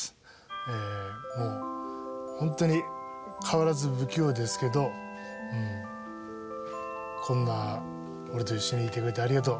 もうホントに変わらず不器用ですけどこんな俺と一緒にいてくれてありがとう。